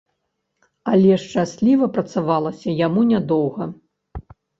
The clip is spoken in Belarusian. Але шчасліва працавалася яму нядоўга.